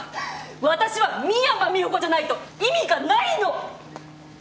私は深山美保子じゃないと意味がないの！